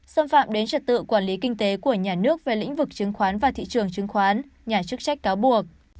xâm phạm đến trật tự quản lý kinh tế của nhà nước về lĩnh vực chứng khoán và thị trường chứng khoán nhà chức trách cáo buộc